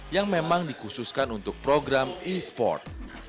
yang memang dikhususkan untuk program e sport